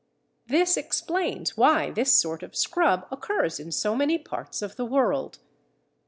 This explains why this sort of scrub occurs in so many parts of the world.